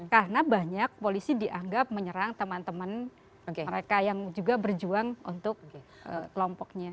karena banyak polisi dianggap menyerang teman teman mereka yang juga berjuang untuk kelompoknya